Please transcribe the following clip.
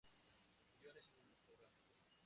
Guiones cinematográficos